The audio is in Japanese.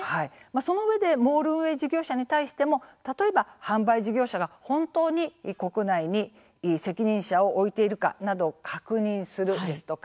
そのうえでモール運営事業者に対しても例えば、販売事業者が本当に国内に責任者を置いているかなどを確認するですとか